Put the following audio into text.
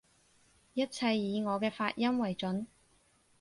一切以我嘅發音爲準